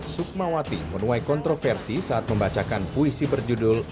sukmawati menuai kontroversi saat membacakan puisi berjudul